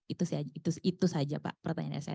itu saja pak pertanyaan saya